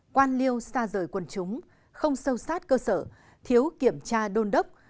quân liêu xa rời quân chúng không sâu sát cơ sở thiếu kiểm tra đôn đốc